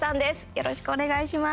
よろしくお願いします。